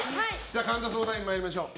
神田相談員参りましょう。